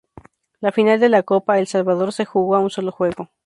La final de la Copa El Salvador se jugó a un solo juego.